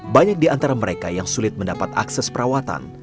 banyak di antara mereka yang sulit mendapat akses perawatan